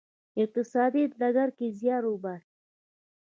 اقتصادي ډګر کې زیار وباسی.